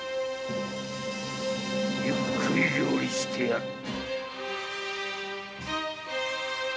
ゆっくり料理してやる。